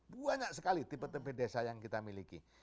banyak sekali tipe tipe desa yang kita miliki